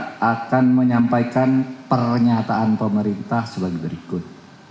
kita akan menyampaikan pernyataan pemerintah sebagai berikut